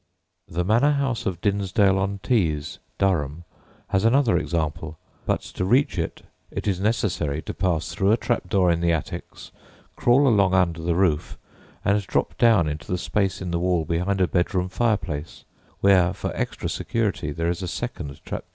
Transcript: The manor house of Dinsdale on Tees, Durham, has another example, but to reach it it is necessary to pass through a trap door in the attics, crawl along under the roof, and drop down into the, space in the wall behind a bedroom fireplace, where for extra security there is a second trap door.